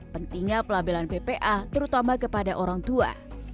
pentingnya pelabelan ppa terutama kepada orang tua